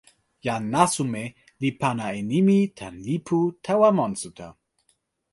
jan Nasume li pana e nimi tan lipu tawa monsuta.